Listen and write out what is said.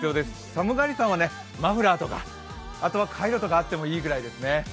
寒がりさんはマフラーとか、カイロとかあってもいいぐらいですね。